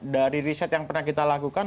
dari riset yang pernah kita lakukan